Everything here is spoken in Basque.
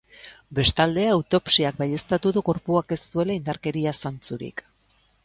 Bestalde, autopsiak baieztatu du gorpuak ez duela indarkeria zantzurik.